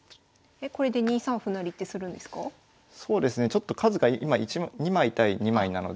ちょっと数が今２枚対２枚なので。